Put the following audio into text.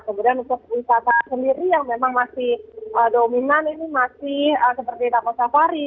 kemudian untuk wisata sendiri yang memang masih dominan ini masih seperti taman safari